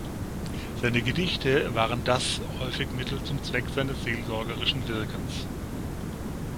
Seine Gedichte waren Dass häufig Mittel zum Zweck seines seelsorgerischen Wirkens.